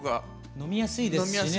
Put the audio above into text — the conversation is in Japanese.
飲みやすいですしね。